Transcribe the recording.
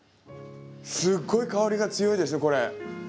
すっごい香りが強いですねこれ。